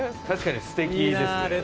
確かにすてきですね。